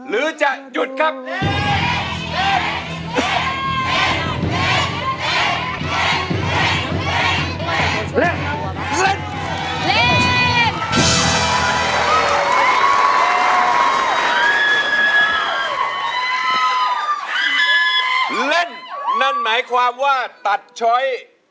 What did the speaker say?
เล่นนั่นหมายความว่าตัดช้อย